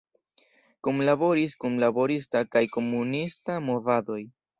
Kunlaboris kun laborista kaj komunista movadoj.